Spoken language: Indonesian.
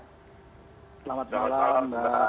selamat malam mbak